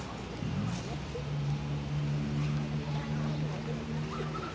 สวัสดีครับทุกคน